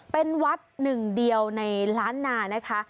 เป็นวัดหนึ่งเดียวในล้านนานะคะ